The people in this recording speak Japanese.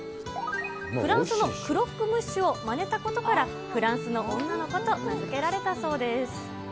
フランスのクロックムッシュをまねたことから、フランスの女の子と名付けられたそうです。